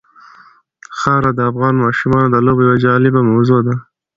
خاوره د افغان ماشومانو د لوبو یوه جالبه موضوع ده.